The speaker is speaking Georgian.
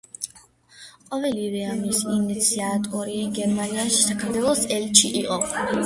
ყოველივე ამის ინიციატორი გერმანიაში საქართველოს ელჩი იყო.